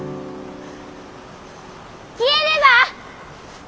消えれば！